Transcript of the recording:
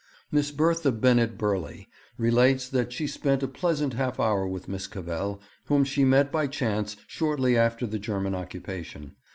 Miss Bertha Bennet Burleigh relates that she spent a pleasant half hour with Miss Cavell, whom she met by chance shortly after the German occupation.